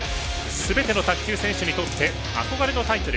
すべての卓球選手にとって憧れのタイトル